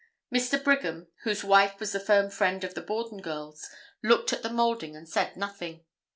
Mr. Brigham, whose wife was the firm friend of the Borden girls, looked at the moulding and said nothing.